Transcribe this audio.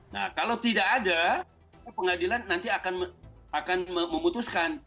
nah kalau tidak ada pengadilan nanti akan memutuskan